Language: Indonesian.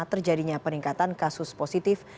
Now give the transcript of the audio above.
terjadinya peningkatan kasus positif